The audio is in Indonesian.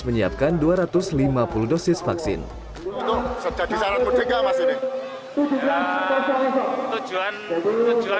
menyiapkan dua ratus lima puluh dosis vaksin itu sejati sangat berjaga masih di tujuan tujuan